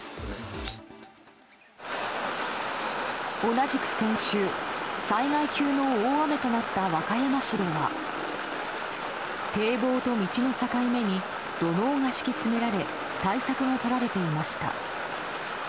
同じく先週、災害級の大雨となった和歌山市では堤防と道の境目に土のうが敷き詰められ対策がとられていました。